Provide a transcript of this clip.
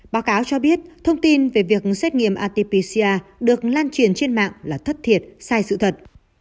báo cáo cho biết thông tin về việc xét nghiệm atpcr được lan truyền trên mạng là thất thiệt sai sự thật